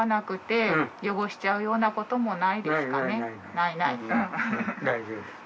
ないない。